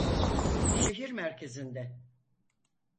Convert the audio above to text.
Şehir merkezinde.